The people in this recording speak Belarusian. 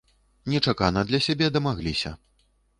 Нечакана для сябе, дамагліся.